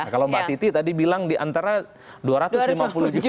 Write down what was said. kalau mbak titi tadi bilang diantara dua ratus lima puluh juta